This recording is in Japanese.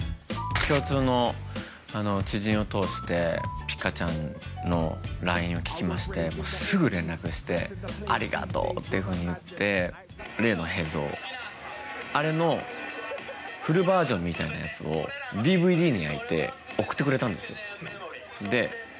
共通の知人を通してピカちゃんのＬＩＮＥを聞きましてもうすぐ連絡してありがとうっていうふうに言って例の映像あれのフルバージョンみたいなやつをＤＶＤに焼いて送ってくれたんですよで